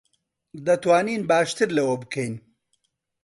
دەتوانین باشتر لەوە بکەین.